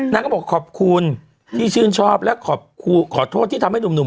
นางก็บอกขอบคุณที่ชื่นชอบและขอโทษที่ทำให้หนุ่ม